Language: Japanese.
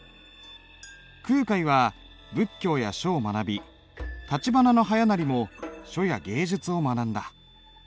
空海は仏教や書を学び橘逸勢も書や芸術を学んだ。